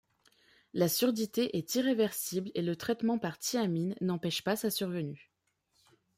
La surdité est irréversible et le traitement par thiamine n'empêche pas sa survenue.